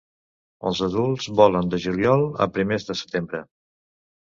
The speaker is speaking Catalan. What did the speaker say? Els adults volen de juliol a primers de setembre.